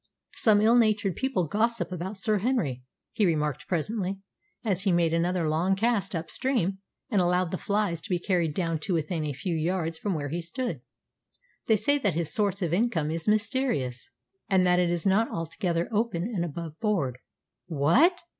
"Some ill natured people gossip about Sir Henry," he remarked presently, as he made another long cast up stream and allowed the flies to be carried down to within a few yards from where he stood. "They say that his source of income is mysterious, and that it is not altogether open and above board." "What!"